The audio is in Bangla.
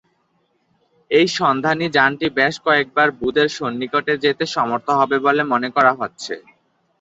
এই সন্ধানী যানটি বেশ কয়েকবার বুধের সন্নিকটে যেতে সমর্থ হবে বলে মনে করা হচ্ছে।